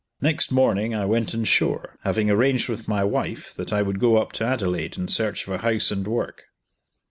Next morning I went on shore, having arranged with my wife that I would go up to Adelaide in search of a house and work.